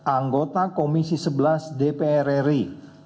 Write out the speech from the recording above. anggota komisi sebelas dprri